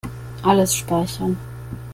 Alles speichern.